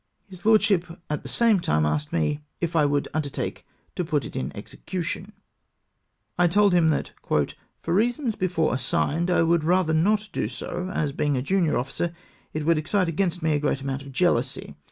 His lordship at the same time asked me " if I would undertake to put it in execu tion ?" I told him that " for reasons before assigned I would rather not do so, as being a junior officer, it would ex cite against me a great amount of jealousy.